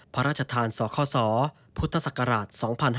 พระราชทานสคศพุทธศักราช๒๕๕๙